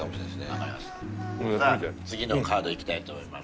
さあ次のカードいきたいと思います。